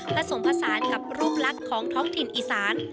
ผสมผสานกับรูปลักษณ์ของท้องถิ่นอีสาน